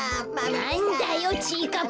なんだよちぃかっぱ。